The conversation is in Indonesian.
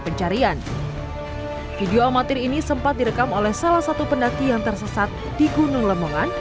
pencarian video amatir ini sempat direkam oleh salah satu pendaki yang tersesat di gunung lemongan